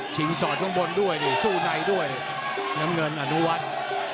ชิงสอดข้างบนด้วยสู้ในด้วยน้ำเงินอนุวัติ